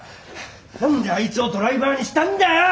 何であいつをドライバーにしたんだよ！